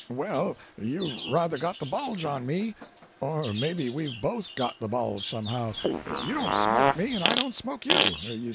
"Well, you've ruther got the bulge on me. Or maybe we've both got the bulge, somehow. You don't smoke me and I don't smoke you.